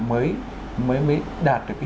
mới đạt được cái lực lượng